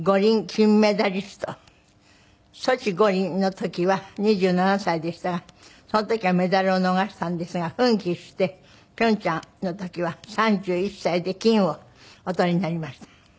ソチ五輪の時は２７歳でしたがその時はメダルを逃したんですが奮起して平昌の時は３１歳で金をお取りになりました。